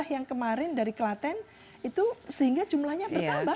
yang kemarin dari klaten itu sehingga jumlahnya bertambah